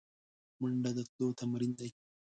منډه د تلو تمرین دی